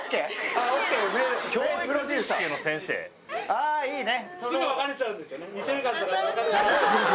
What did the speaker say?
あぁいいね。